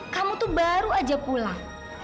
kamu tuh baru aja pulang